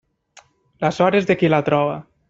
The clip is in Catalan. La sort és de qui la troba.